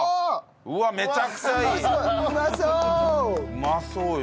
うまそうよ。